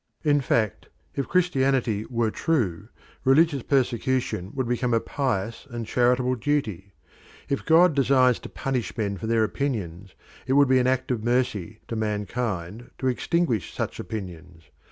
In fact, if Christianity were true religious persecution would become a pious and charitable duty: if God designs to punish men for their opinions it would be an act of mercy to mankind to extinguish such opinions.